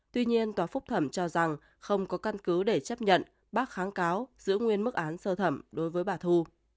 tuy nhiên tòa phúc thẩm cho rằng không có căn cứ để chấp nhận bác kháng cáo giữ nguyên mức án sơ thẩm đối với bà thu